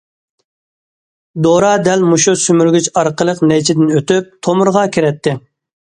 دورا دەل مۇشۇ سۈمۈرگۈچ ئارقىلىق نەيچىدىن ئۆتۈپ، تومۇرغا كىرەتتى.